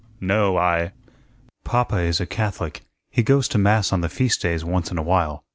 No, I " "Papa is a Catholic. He goes to Mass on the feast days once in a while.